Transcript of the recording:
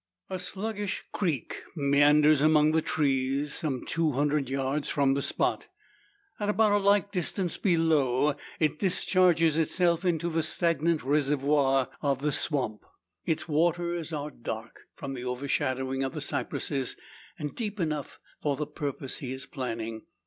A sluggish creak meanders among the trees, some two hundred yards from the spot. At about a like distance below, it discharges itself into the stagnant reservoir of the swamp. Its waters are dark, from the overshadowing of the cypresses, and deep enough for the purpose he is planning.